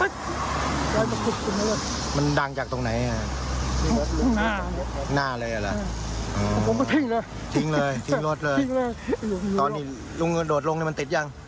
ดวนลงนี่มันติดอย่าง